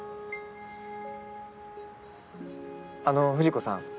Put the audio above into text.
あの藤子さん。